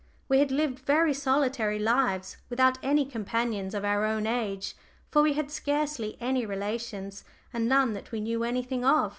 We had lived very solitary lives, without any companions of our own age for we had scarcely any relations, and none that we knew anything of.